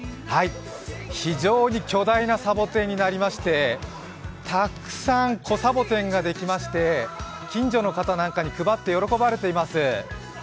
非常に巨大なサボテンになりまして、たくさん、子サボテンができまして、近所の方なんかに配って喜ばれています。